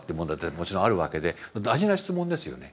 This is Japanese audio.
もちろんあるわけで大事な質問ですよね。